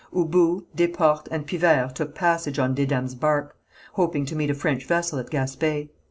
Hubou, Desportes and Pivert took passage on Desdames' barque, hoping to meet a French vessel at Gaspé.